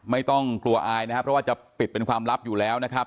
ไม่ต้องกลัวอายนะครับเพราะว่าจะปิดเป็นความลับอยู่แล้วนะครับ